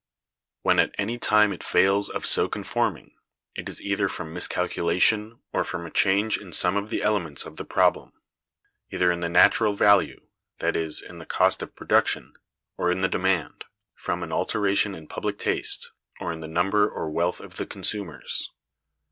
When at any time it fails of so conforming, it is either from miscalculation, or from a change in some of the elements of the problem; either in the natural value, that is, in the cost of production, or in the demand, from an alteration in public taste, or in the number or wealth of the consumers.